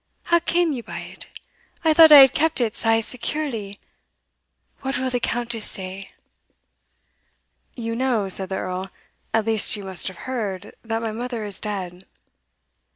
how came ye by it? I thought I had kept it sae securely what will the Countess say?" "You know," said the Earl, "at least you must have heard, that my mother is dead."